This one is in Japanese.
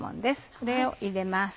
これを入れます。